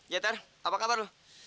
ya ter apa kabar lo